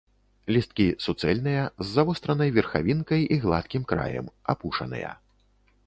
Лісткі суцэльныя, з завостранай верхавінкай і гладкім краем, апушаныя.